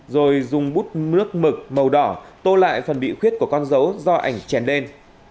rồi dùng bút nước mực màu đỏ tô lại phần bị khuyết của con dấu do ảnh chèn đen